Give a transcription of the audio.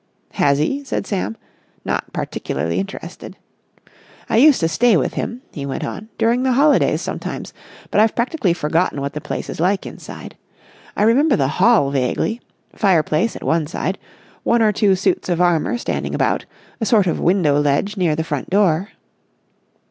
"Has he?" said Sam, not particularly interested. "I used to stay with him," he went on, "during the holidays sometimes, but I've practically forgotten what the place is like inside. I remember the hall vaguely. Fireplace at one side, one or two suits of armour standing about, a sort of window ledge near the front door...."